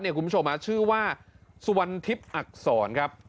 คุณผู้ชมชื่อว่าสุวรรณทิพย์อักษรครับ